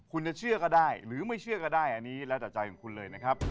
คุณจะเชื่อก็ได้หรือไม่เชื่อก็ได้อันนี้แล้วแต่ใจของคุณเลยนะครับ